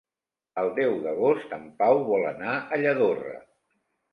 El deu d'agost en Pau vol anar a Lladorre.